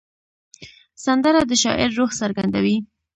سندره د شاعر روح څرګندوي